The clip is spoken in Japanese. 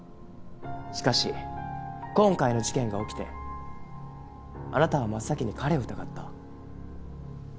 しかし今回の事件が起きてあなたは真っ先に彼を疑った。